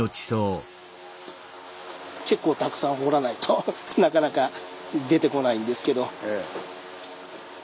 結構たくさん掘らないとなかなか出てこないんですけど。